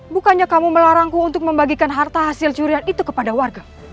bukannya kamu melarangku untuk membagikan harta hasil curian itu kepada warga